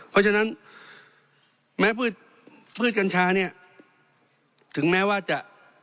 เพราะฉะนั้นแม้ผลิตกัญชาถึงแม้ว่าจะ